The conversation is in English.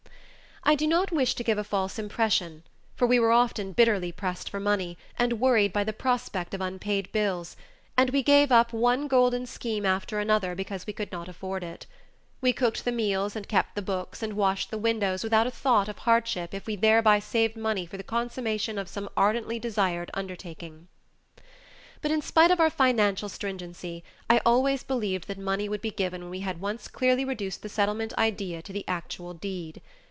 I do not wish to give a false impression, for we were often bitterly pressed for money and worried by the prospect of unpaid bills, and we gave up one golden scheme after another because we could not afford it; we cooked the meals and kept the books and washed the windows without a thought of hardship if we thereby saved money for the consummation of some ardently desired undertaking. But in spite of our financial stringency, I always believed that money would be given when we had once clearly reduced the Settlement idea to the actual deed.